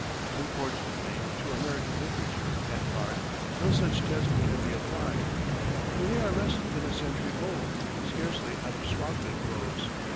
Unfortunately, to American literature and art no such test can be applied, for they are less than a century old scarcely out of swaddling clothes.